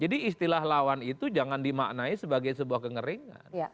jadi istilah lawan itu jangan dimaknai sebagai sebuah kengerengan